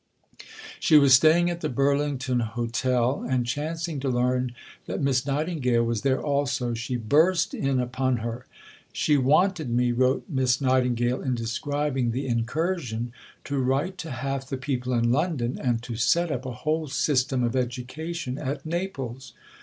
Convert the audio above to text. She was staying at the Burlington Hotel and, chancing to learn that Miss Nightingale was there also, she burst in upon her. "She wanted me," wrote Miss Nightingale in describing the incursion, "to write to half the people in London, and to set up a whole system of education at Naples.